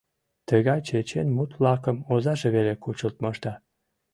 Тыгай «чечен» мут-влакым озаже веле кучылт мошта.